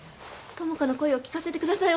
友果の声を聞かせてください